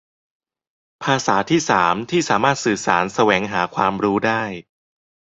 ภาษาที่สามที่สามารถสื่อสารแสวงหาความรู้ได้